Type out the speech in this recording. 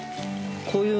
こういう。